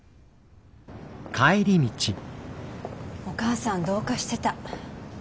お母さんどうかしてた。